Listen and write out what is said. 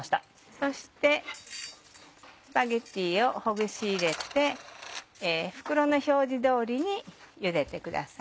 そしてスパゲティをほぐし入れて袋の表示通りにゆでてください。